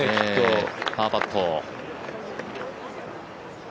パーパット。